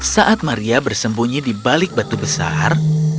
saat maria bersembunyi di balik batu besar